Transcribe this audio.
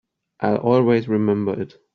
I'll always remember it.